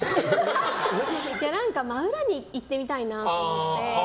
真裏に行ってみたいなと思って。